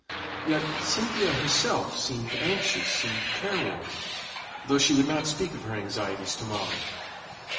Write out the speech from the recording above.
Yet Cynthia herself seemed anxious and care worn, though she would not speak of her anxieties to Molly.